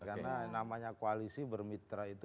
karena namanya koalisi bermitra itu